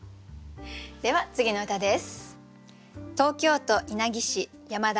では次の歌です。